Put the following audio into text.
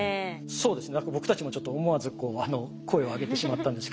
そうですね。